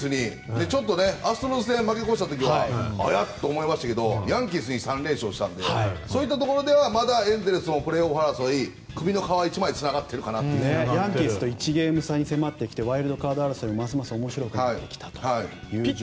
アストロズ戦負け越した時はあら？と思いましたけどヤンキースに３連勝したのでそういったところではまだエンゼルスのプレーオフ進出争い首の皮１枚ヤンキースと１ゲーム差に迫ってきてワイルドカード争いがと。